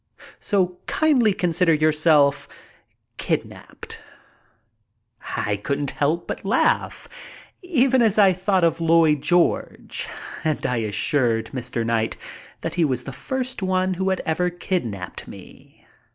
So kindly consider yourself kidnaped." I couldn't help but laugh, even as I thought of Lloyd George, and I assured Mr. Knight that he was the first one who had ever kidnaped me.